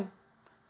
satu orang lain